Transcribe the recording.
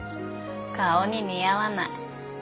顔に似合わない。